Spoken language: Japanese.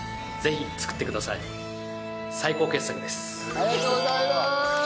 ありがとうございます。